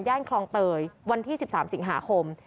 คลองเตยวันที่๑๓สิงหาคม